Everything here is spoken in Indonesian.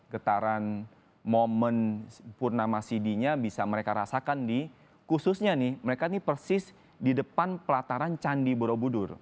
getaran momen purnama cd nya bisa mereka rasakan di khususnya nih mereka ini persis di depan pelataran candi borobudur